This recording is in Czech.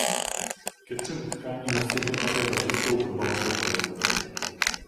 Ke třem utkáním nastoupil také za českou fotbalovou reprezentaci.